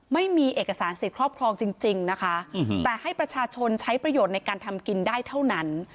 ไม่มีเอกสารสิทธิ์ครอบครองจริงนะคะแต่ให้ประชาชนใช้ประโยชน์ในการทำกินได้เท่านั้น